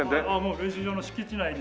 練習場の敷地内に。